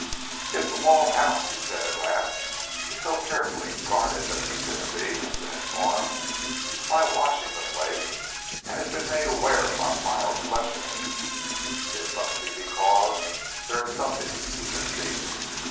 "If The Walled House," he said at last, "is so carefully guarded that Sir Timothy has been informed of my watching the place and has been made aware of my mild questionings, it must be because there is something to conceal.